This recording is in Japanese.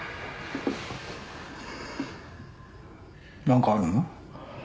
何かあるの？